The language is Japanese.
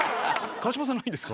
川島さん、ないですか？